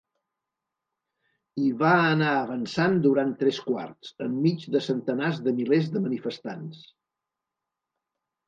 I va anar avançant durant tres quarts, enmig de centenars de milers de manifestants.